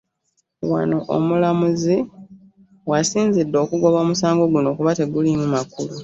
Wano omulamuzi w'asinzidde okugoba omusango guno kuba teguliimu makulu.